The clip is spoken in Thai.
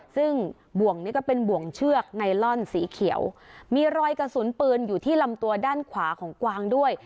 ซึ่งบ่วงนี้ก็เป็นบ่วงเชือกไนลอนสีเขียวมีรอยกระสุนปืนอยู่ที่ลำตัวด้านขวาของกวางด้วย